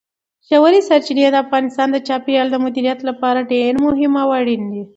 ژورې سرچینې د افغانستان د چاپیریال د مدیریت لپاره ډېر مهم او اړین دي.